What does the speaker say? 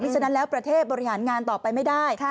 ฉะนั้นแล้วประเทศบริหารงานต่อไปไม่ได้